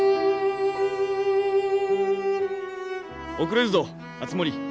遅れるぞ敦盛。